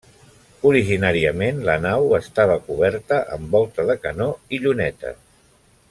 Originàriament, la nau estava coberta amb volta de canó i llunetes.